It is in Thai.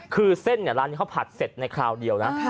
คือเส้นร้านนี้เขาผัดเสร็จในคราวเดียวนะ